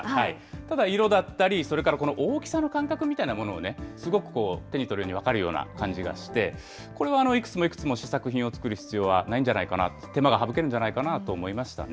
ただ、色だったり、それから大きさの感覚みたいなものをね、すごく手に取るように分かるような感じがして、これはいくつもいくつも試作品を作る必要はないんじゃないかな、手間が省けるんじゃないかなと思いましたね。